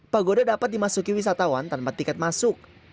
pagoda dapat dimasuki wisatawan tanpa tiket masuk